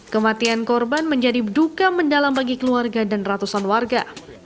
kematian korban menjadi duka mendalam bagi keluarga dan ratusan warga